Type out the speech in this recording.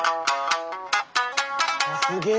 すげえ！